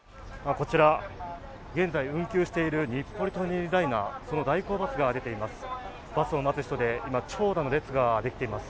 こちら現在運休している日暮里・舎人ライナー、その代行バスが出ています。